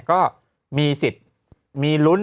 ก็มีสิทธิ์มีลุ้น